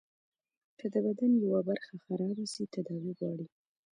که د بدن يوه برخه خرابه سي تداوي غواړي.